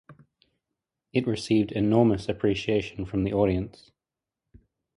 It received enormous appreciation from the audience.